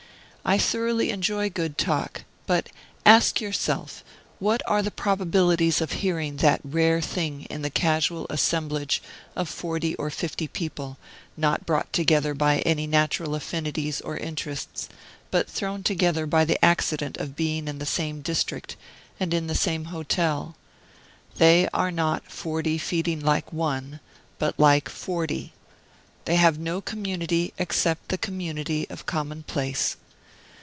I thoroughly enjoy good talk; but, ask yourself, what are the probabilities of hearing that rare thing in the casual assemblage of forty or fifty people, not brought together by any natural affinities or interests, but thrown together by the accident of being in the same district, and in the same hotel? They are not "forty feeding like one," but like forty. They have no community, except the community of commonplace.